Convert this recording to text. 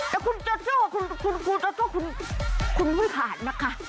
แต่คุณโจโจคุณคุณคุณคุณไม่ผ่านนะคะ